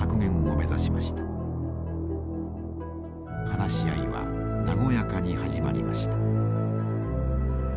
話し合いは和やかに始まりました。